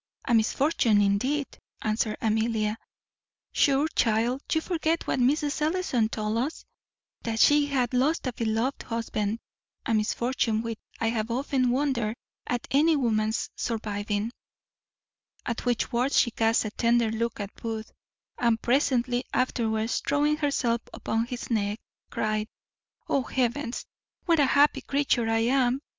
"A misfortune, indeed!" answered Amelia; "sure, child, you forget what Mrs. Ellison told us, that she had lost a beloved husband. A misfortune which I have often wondered at any woman's surviving." At which words she cast a tender look at Booth, and presently afterwards, throwing herself upon his neck, cried, "O, Heavens! what a happy creature am I!